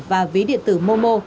và ví điện tử momo